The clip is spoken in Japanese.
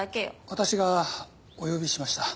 私がお呼びしました。